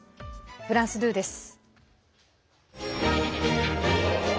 フランス２です。